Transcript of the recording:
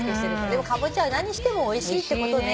でもかぼちゃは何してもおいしいってことね。